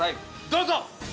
どうぞ！